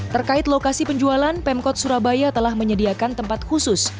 terkait lokasi penjualan pemkot surabaya telah menyediakan tempat khusus